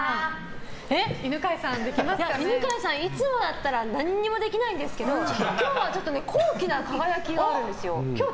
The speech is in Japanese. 犬飼さん、いつもだったら何もできないんですけど、今日は高貴な輝きがあるんですよ。